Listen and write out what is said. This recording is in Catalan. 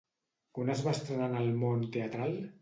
Quan es va estrenar en el món teatral?